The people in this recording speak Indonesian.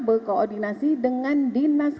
berkoordinasi dengan dinas